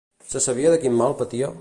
Se sabia de quin mal patia?